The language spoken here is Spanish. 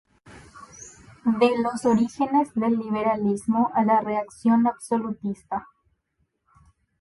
De los orígenes del liberalismo a la reacción absolutista".